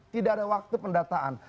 tidak ada waktu pendataan